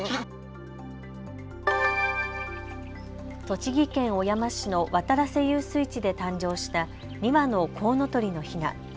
栃木県小山市の渡良瀬遊水地で誕生した２羽のコウノトリのヒナ。